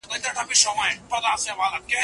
آیا ستا ټولنه له ستونزو پاکه ده؟